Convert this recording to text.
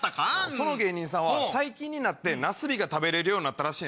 その芸人さんは最近なすびが食べれるようになったらしい。